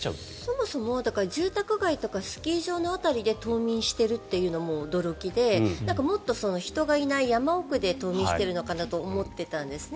そもそも住宅街とかスキー場の辺りで冬眠してるというのも驚きでもっと人がいない山奥で冬眠しているのかなと思っていたんですね。